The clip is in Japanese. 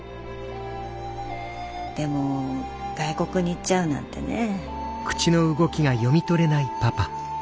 でも外国に行っちゃうなんてねえ。